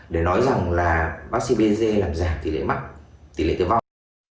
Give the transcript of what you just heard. để nói rằng là vaccine bcg làm giảm tỷ lệ mắc tỷ lệ tử vong